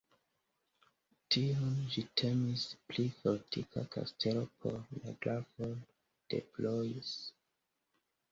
Tiam ĝi temis pri fortika kastelo por la grafoj de Blois.